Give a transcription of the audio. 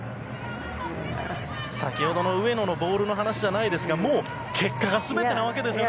先ほどの上野のボールの話じゃないですけどもう結果が全てなわけですよね。